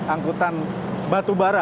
angkutan batu bara